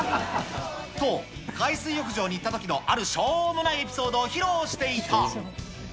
と、海水浴場に行ったときのあるしょうもないエピソードを披露していた。